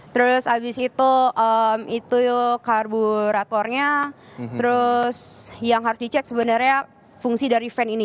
terus abis itu itu karbo rapornya terus yang harus dicek sebenarnya fungsi dari fan ini